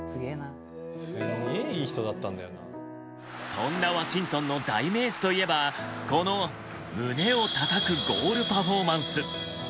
そんなワシントンの代名詞といえばこの胸をたたくゴールパフォーマンス。